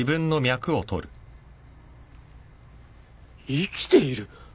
生きている？